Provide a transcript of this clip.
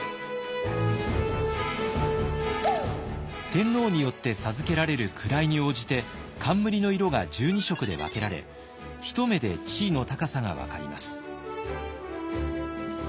天皇によって授けられる位に応じて冠の色が１２色で分けられ一目で地位の高さが分かります。